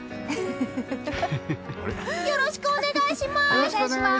よろしくお願いします！